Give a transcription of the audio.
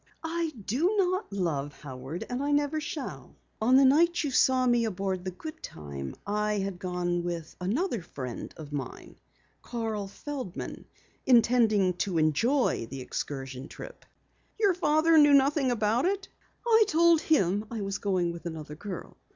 "I do not love Howard, and I never shall. On the night you saw me aboard the Goodtime I had gone with another friend of mine, Carl Feldman, intending to enjoy the excursion trip." "Your father knew nothing about it?" "I told him I was going with another girl."